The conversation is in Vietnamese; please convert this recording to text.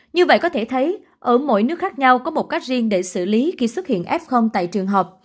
như vậy có thể thấy ở mỗi nước khác nhau có một cách riêng để xử lý khi xuất hiện f tại trường học